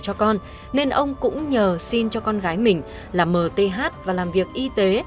cho con nên ông cũng nhờ xin cho con gái mình là mth và làm việc y tế